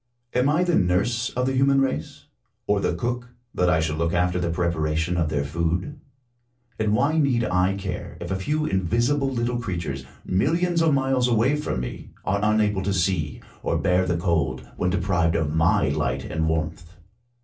Am I the nurse of the human race ; or the cook, that I should look after the preparation of their food ? And why need I care if a few invisible little creatures, millions of miles away from me, are unable to see, or bear the cold, when COPERNICUS. 169 deprived of my light and warmth